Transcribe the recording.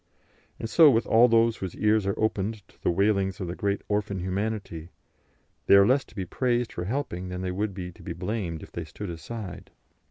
And so with all those whose ears are opened to the wailings of the great orphan Humanity; they are less to be praised for helping than they would be to be blamed if they stood aside.